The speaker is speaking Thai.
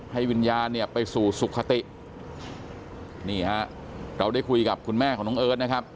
วิญญาณเนี่ยไปสู่สุขตินี่ฮะเราได้คุยกับคุณแม่ของน้องเอิร์ทนะครับ